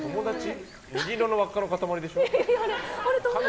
虹色の輪っかの塊でしょ。